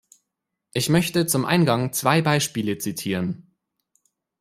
Ich möchte zum Eingang zwei Beispiele zitieren.